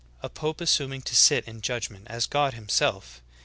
A pope assum ing to sit in judgment as God Himself!